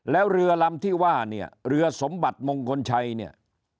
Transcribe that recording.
แล้วเรือลำที่ว่าเนี่ยเรือสมบัติมงคลชัยเนี่ย